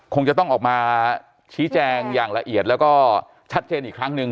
คงจะต้องออกมาชี้แจงอย่างละเอียดแล้วก็ชัดเจนอีกครั้งหนึ่ง